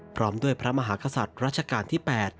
พร้อมด้วยพระมหากษัตริย์รัชกาลที่๘